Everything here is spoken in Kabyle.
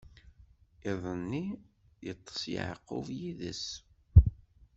Iḍ-nni, iṭṭeṣ Yeɛqub yid-s.